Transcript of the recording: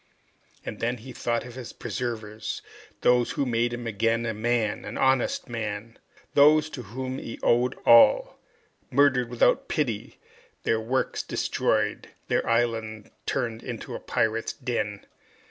And then he thought of his preservers those who had made him again a man, and an honest mm, those to whom he owed all murdered without pity, their works destroyed, their island turned into a pirates' den!